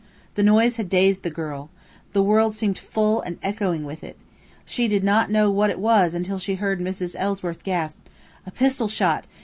The noise had dazed the girl. The world seemed full and echoing with it. She did not know what it was until she heard Mrs. Ellsworth gasp, "A pistol shot!